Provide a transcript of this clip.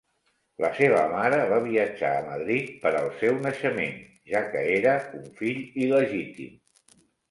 La seva mare va viatjar a Madrid per al seu naixement, ja que era un fill il·legítim.